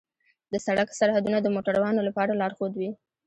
د سړک سرحدونه د موټروانو لپاره لارښود وي.